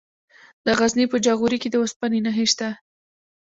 د غزني په جاغوري کې د اوسپنې نښې شته.